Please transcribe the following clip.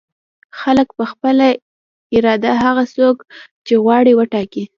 خلک په خپله اراده هغه څوک چې غواړي وټاکي.